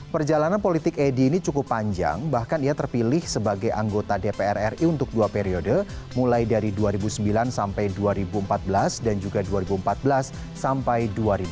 perjalanan politik edi ini cukup panjang bahkan ia terpilih sebagai anggota dpr ri untuk dua periode mulai dari dua ribu sembilan sampai dua ribu empat belas dan juga dua ribu empat belas sampai dua ribu dua puluh empat